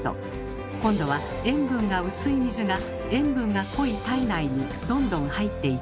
今度は塩分が薄い水が塩分が濃い体内にどんどん入っていきます。